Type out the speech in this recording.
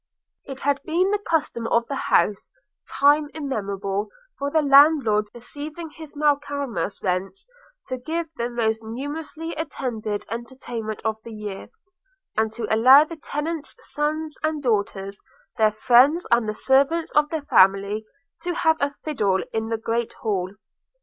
It had been the custom of the house, time immemorial, for the landlord, receiving his Michaelmas rents, to give the most numerously attended entertainment of the year, and to allow the tenants' sons and daughters, their friends, and the servants of the family, to have a fiddle in the great hall.